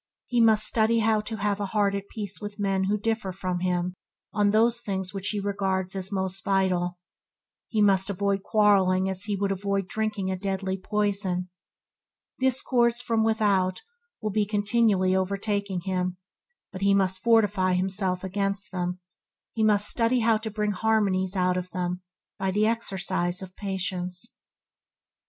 He must study how to have a heart at peace with men who differ from him on those things which he regards as most vital. He must avoid quarrelling as he would avoid drinking a deadly poison. Discords from without will be continually overtaking him, but he must fortify himself against them; he must study how to bring harmonies out of them by the exercise of patience.